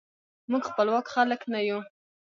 موږ خپواک خلک نه یو.